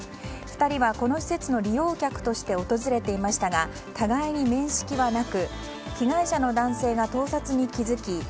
２人はこの施設の利用客として訪れていましたが互いに面識はなく被害者の男性が盗撮に気付き